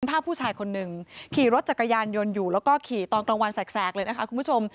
ภาพผู้ชายคนหนึ่งขี่รถจักรยานยนต์อยู่แล้วก็ขี่ตอนกลางวันแสกเลยนะคะคุณผู้ชม